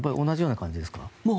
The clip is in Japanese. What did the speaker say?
同じような感じですか。